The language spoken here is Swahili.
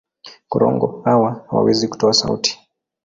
Korongo hawa hawawezi kutoa sauti.